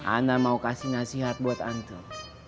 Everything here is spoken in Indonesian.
anda mau kasih nasihat buat antum